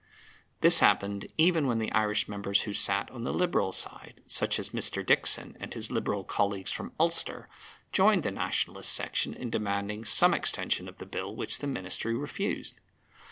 This happened even when the Irish members who sat on the Liberal side (such as Mr. Dickson and his Liberal colleagues from Ulster) joined the Nationalist section in demanding some extension of the Bill which the Ministry refused.